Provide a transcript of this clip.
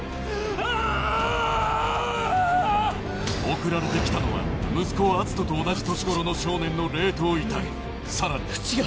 送られて来たのは息子・篤斗と同じ年頃の少年のさらに違う。